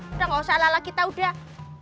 udah gak usah lala kita udah